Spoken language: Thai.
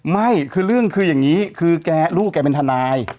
ไม่คือเรื่องคืออย่างนี้คือลูกแกเป็นทนาย